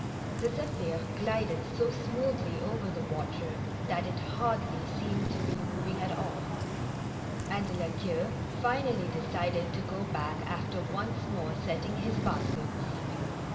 The Ztphir glided so smoothly over the water that it hardl}^ seemed to be moving at all, and La Queue finally decided to go back after once more setting his baskets.